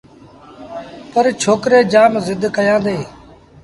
پرڇوڪري جآم زد ڪيآݩدي